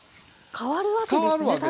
変わるわけですよ。